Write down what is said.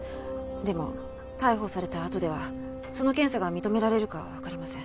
でも逮捕されたあとではその検査が認められるかはわかりません。